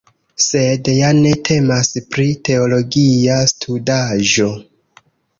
Sed ja ne temas pri teologia studaĵo.